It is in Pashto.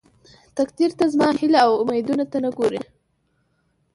تقديره ته زما هيلې او اميدونه ته نه ګورې.